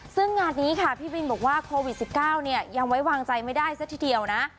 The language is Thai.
ซึ่งงานนี้ค่ะพี่บินบอกว่าโควิด๑๙เนี่ยยังไว้วางใจไม่ได้ซะทีเดียวนะ